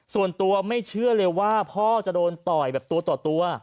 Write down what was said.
ส่วนตัวไม่เชื่อเลยว่าพ่อจะโดนต่อยแบบตัวต่อตัว